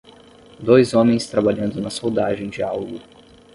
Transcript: Dois homens trabalhando na soldagem de algo.